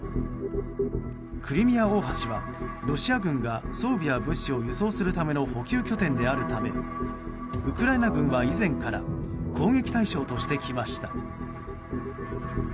クリミア大橋は、ロシア軍が装備や物資を輸送するための補給拠点であるためウクライナ軍は以前から攻撃対象としてきました。